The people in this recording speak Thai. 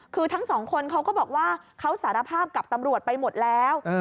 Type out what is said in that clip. คือทั้งสองคนเขาก็บอกว่าเขาสารภาพกับตำรวจไปหมดแล้ว